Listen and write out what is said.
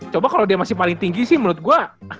coba kalau dia masih paling tinggi sih menurut gue